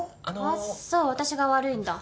あっそう私が悪いんだ